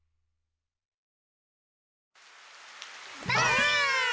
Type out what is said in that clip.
ばあっ！